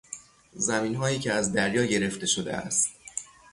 زمینهایی که از دریا گرفته شده است